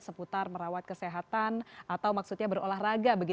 seputar merawat kesehatan atau maksudnya berolahraga